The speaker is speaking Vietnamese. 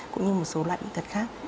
cũng như một số loại địa tật khác